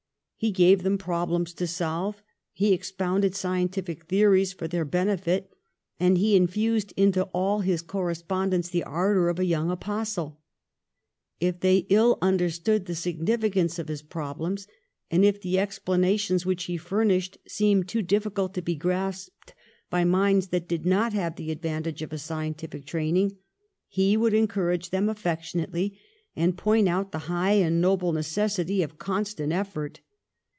He gave them problems to solve, he expounded scientific theories for their bene fit, and he infused into all this correspondence the ardour of a young apostle. If they iU un derstood the significance of his problems, and if the explanations which he furnished seemed too difficult to be grasped by minds that did not have the advantage of a scientific training, he would encourage them affectionately, and point out the high and noble necessity of constant effort.